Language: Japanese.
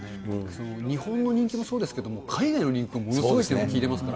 日本の人気もそうですけど、海外の人気はものすごい聞いてますから。